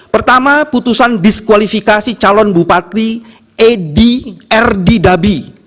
pertama putusan diskualifikasi calon bupati edi erdidabi